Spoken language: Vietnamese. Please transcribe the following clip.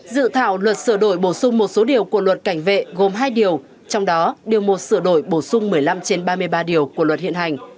dự thảo luật sửa đổi bổ sung một số điều của luật cảnh vệ gồm hai điều trong đó điều một sửa đổi bổ sung một mươi năm trên ba mươi ba điều của luật hiện hành